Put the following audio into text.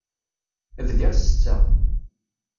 Bdiɣ setteɣ.